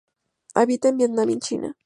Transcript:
Habita en Vietnam y en China.